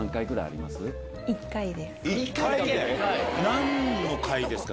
何の回ですか？